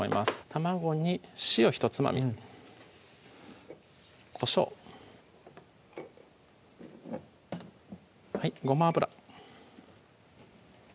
卵に塩ひとつまみこしょうごま油